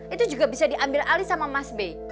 itu juga bisa diambil alih sama mas b